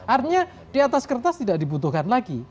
artinya di atas kertas tidak dibutuhkan lagi